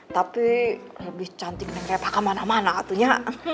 tapi lebih cantiknya kayak paka mana mana katanya